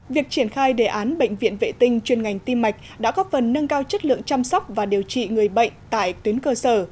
việc triển khai đề án bệnh viện vệ tinh chuyên ngành tim mạch đã góp phần nâng cao chất lượng chăm sóc và điều trị người bệnh tại tuyến cơ sở